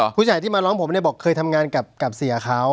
ผู้ใหญ่ที่มาร้องผมเนี่ยบอกเคยทำงานกับเสียเขา